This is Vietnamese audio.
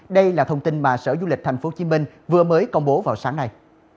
đây là thông tin mà sở du lịch tp hcm vừa mới công bố vào sáng nay